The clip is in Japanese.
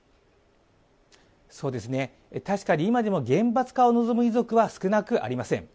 確かに、今でも厳罰化を望む遺族は少なくありません。